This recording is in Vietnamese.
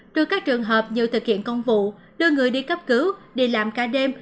đưa các trường hợp như thực hiện công vụ đưa người đi cấp cứu đi làm cả đêm